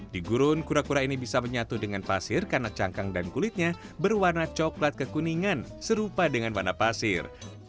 di gurun kura kura ini bisa menyatu dengan pasir karena cangkang dan kulitnya berwarna coklat kekuningan serupa dengan warna pasir